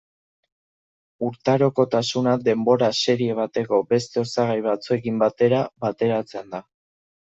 Urtarokotasuna denbora serie bateko beste osagai batzuekin batera bateratzen da.